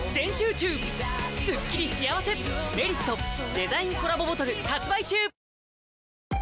デザインコラボボトル発売中！